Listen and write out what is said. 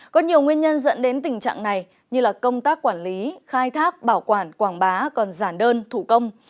có nhiều nguyên nhân dẫn đến tình trạng này như công tác quản lý khai thác bảo quản quảng bá còn giản đơn thủ công